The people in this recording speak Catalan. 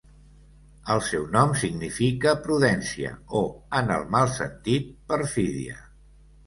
El seu nom significa 'prudència', o, en el mal sentit, 'perfídia'.